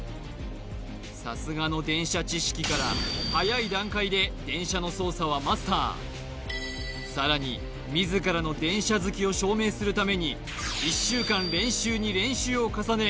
さすがの電車知識から早い段階で電車の操作はマスターさらに自らの電車好きを証明するために１週間練習に練習を重ね